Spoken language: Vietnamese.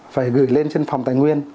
phải gửi lên trên phòng tài nguyên